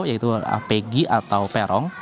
yaitu apegi atau perong